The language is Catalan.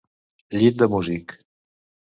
Llit de músic.